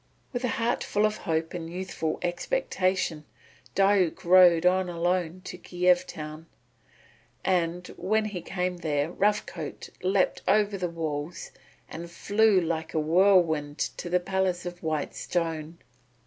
With a heart full of hope and youthful expectation, Diuk rode on alone to Kiev town; and when he came there Rough Coat leapt over the walls and flew like a whirlwind to the palace of white stone.